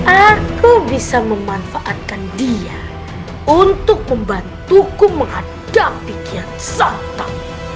aku bisa memanfaatkan dia untuk membantuku menghadapi kesangkauan semalam